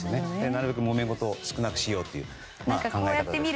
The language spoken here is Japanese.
なるべくもめ事を少なくしようっていう考え方ですかね。